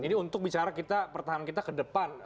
ini untuk bicara kita pertahanan kita ke depan